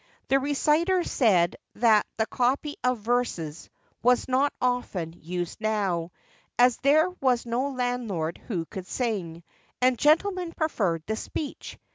The reciter said that the copy of verses was not often used now, as there was no landlord who could sing, and gentlemen preferred the speech.